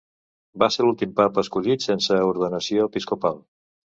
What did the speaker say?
Va ser l'últim Papa escollit sense ordenació episcopal.